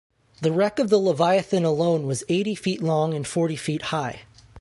The wreck of the "Leviathan" alone was eighty feet long and forty feet high.